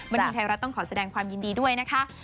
ทึงไทยรัฐต้องขอแสดงความยินดีด้วยนะคะ